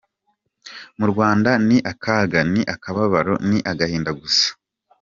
Mu Rwanda ni akaga, ni akababaro, ni agahinda gusa!